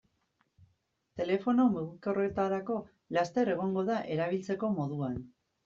Telefono mugikorretarako laster egongo da erabiltzeko moduan.